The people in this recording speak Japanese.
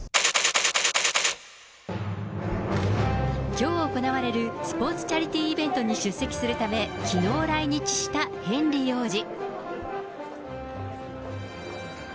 きょう行われるスポーツチャリティーイベントに出席するため、きのう来日したヘンリー王子。